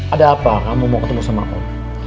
ada apa kamu mau ketemu sama kau